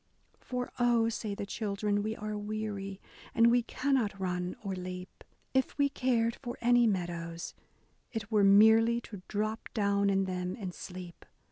For oh," say the children, we are weary. And we cannot run or leap ; If we cared for any meadows, it were merely To drop down in them and sleep.